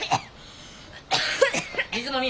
水飲み。